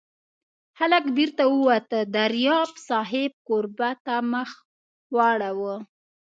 هلک بېرته ووت، دریاب صاحب کوربه ته مخ واړاوه.